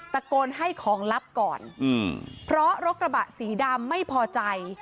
ตะโกนให้ของลับก่อนอืมเพราะรถกระบะสีดำไม่พอใจ